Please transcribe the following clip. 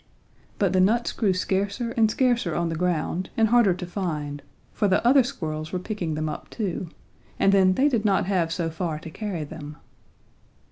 "But the nuts grew scarcer and scarcer on the ground and harder to find, for the other squirrels were picking them up too, and then they did not have so far to carry them.